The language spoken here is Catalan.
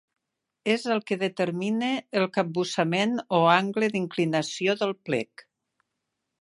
És el que determina el capbussament o angle d'inclinació del plec.